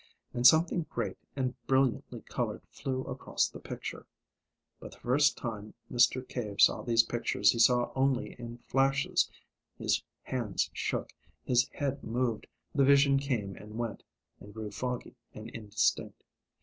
And something great and brilliantly coloured flew across the picture. But the first time Mr. Cave saw these pictures he saw only in flashes, his hands shook, his head moved, the vision came and went, and grew foggy and indistinct.